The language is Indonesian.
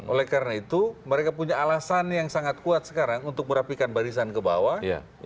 oleh karena itu mereka punya alasan yang sangat kuat sekarang untuk merapihkan barisan kebawah